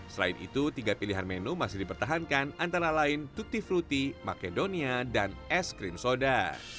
selain itu tiga pilihan menu masih dipertahankan antara lain tuti fluti makedonia dan es krim soda